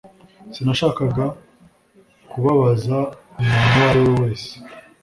Sinashakaga kubabaza umuntu uwo ari we wese.